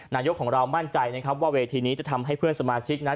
นายกของเรามั่นใจนะครับว่าเวทีนี้จะทำให้เพื่อนสมาชิกนั้น